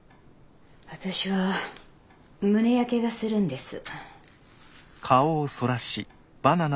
私は胸やけがするんです。